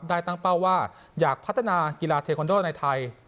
ตั้งเป้าว่าอยากพัฒนากีฬาเทคอนโดในไทย